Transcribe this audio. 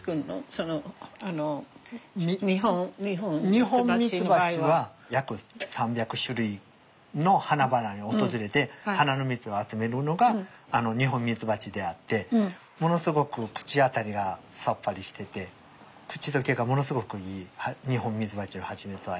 ニホンミツバチは約３００種類の花々に訪れて花の蜜を集めるのがニホンミツバチであってものすごく口当たりがサッパリしてて口溶けがものすごくいいニホンミツバチのハチミツは。